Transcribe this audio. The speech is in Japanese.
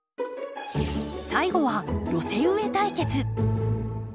最後は寄せ植え対決。